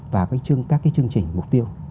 vào các cái chương trình mục tiêu